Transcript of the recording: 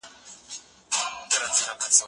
که شاګرد مخالفت وکړي نو استاد یې مني.